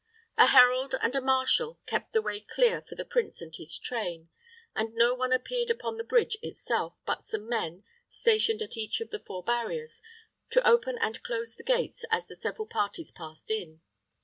A herald and a marshal kept the way clear for the prince and his train, and no one appeared upon the bridge itself but some men, stationed at each of the four barriers, to open and close the gates as the several parties passed in.